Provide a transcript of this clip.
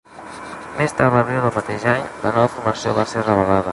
Més tard l'abril del mateix any, la nova formació va ser revelada.